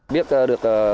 biết được bảo